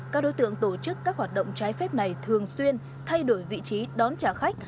các đối tượng tổ chức các hoạt động trái phép này thường xuyên thay đổi vị trí đón trả khách